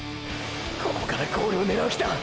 ここからゴールを狙う気だ！！